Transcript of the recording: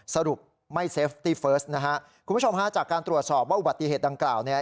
สรุปไม่เซฟตี้เฟิร์สนะฮะคุณผู้ชมฮะจากการตรวจสอบว่าอุบัติเหตุดังกล่าวเนี่ย